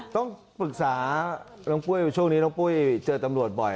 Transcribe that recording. ต้องปรึกษาน้องปุ้ยช่วงนี้น้องปุ้ยเจอตำรวจบ่อย